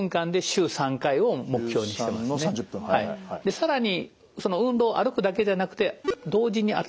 更に運動歩くだけじゃなくて同時に頭を使う。